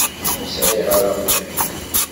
Ur sɛiɣ ara amḍiq.